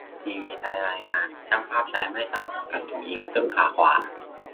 ทีวีไทยรายงาน ช่างภาพชายไม่ทราบสังกัดถูกยิงที่ต้นขาขวา